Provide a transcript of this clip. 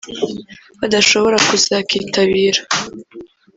badashobora kuzakitabira